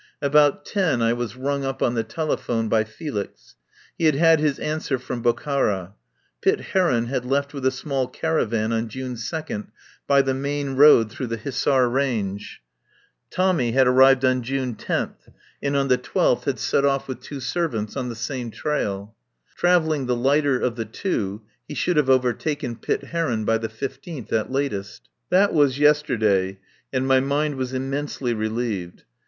About ten I was rung up on the telephone by Felix. He had had his answer from Bokhara. Pitt Heron had left with a small caravan on June 2d by the main road through the Hissar range. Tommy had arrived on June 10th and on the 12th had set 103 THE POWER HOUSE off with two servants on the same trail. Trav elling the lighter of the two, he should have overtaken Pitt Heron by the 15th at latest. That was yesterday, and my mind was im mensely relieved.